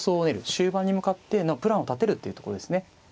終盤に向かってのプランを立てるっていうとこですね。